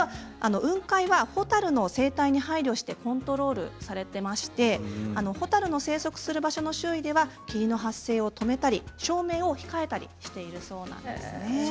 雲海は蛍の生態に配慮してコントロールされていまして蛍の生息する場所の周囲では霧の発生を止めたり照明を控えたりしているそうです。